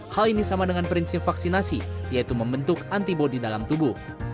hal ini sama dengan prinsip vaksinasi yaitu membentuk antibody dalam tubuh